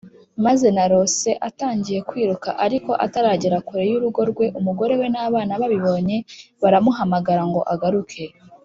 Maze narose atangiye kwiruka Ariko ataragera kure y’urugo rwe, umugore we n’abana babibonye baramuhamagara ngo agaruke